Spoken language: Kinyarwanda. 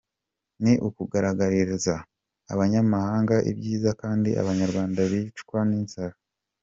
ni ukugaragariza abanyamahanga ibyiza kandi abanyarwanda bicwa n’inzara.